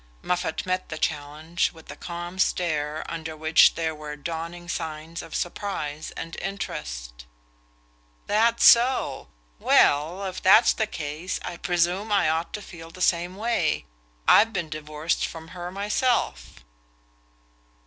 Moffatt met the challenge with a calm stare under which there were dawning signs of surprise and interest. "That so? Well, if that's the case I presume I ought to feel the same way: I've been divorced from her myself."